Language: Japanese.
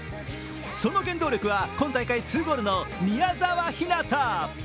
その原動力は今大会２ゴールの宮澤ひなた。